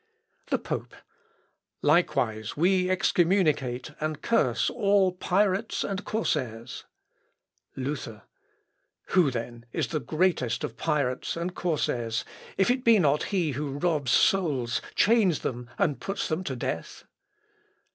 The Pope. "Likewise we excommunicate and curse all pirates and corsairs...." [Sidenote: LUTHER AND THE POPE.] Luther. "Who then is the greatest of pirates and corsairs if it be not he who robs souls, chains them, and puts them to death?"